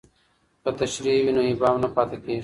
که تشریح وي نو ابهام نه پاتې کیږي.